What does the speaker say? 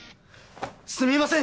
すみません！